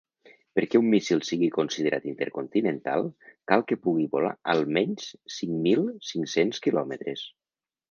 Perquè un míssil sigui considerat intercontinental cal que pugui volar almenys cinc mil cinc-cents quilòmetres.